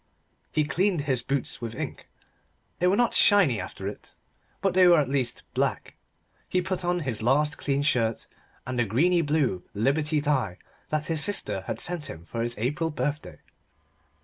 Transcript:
He cleaned his boots with ink; they were not shiny after it, but they were at least black. He put on his last clean shirt and the greeny blue Liberty tie that his sister had sent him for his April birthday.